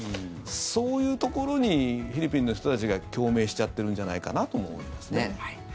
そういうところにフィリピンの人たちが共鳴しちゃってるんじゃないかなと思いますね。